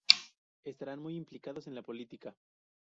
Estarán muy implicados en la política.